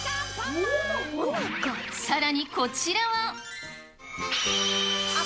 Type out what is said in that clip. さらに、こちらは。